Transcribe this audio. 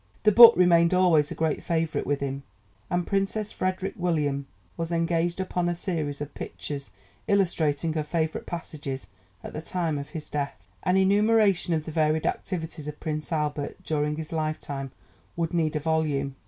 The book remained always a great favourite with him, and Princess Frederick William was engaged upon a series of pictures illustrating her favourite passages at the time of his death. An enumeration of the varied activities of Prince Albert during his lifetime would need a volume.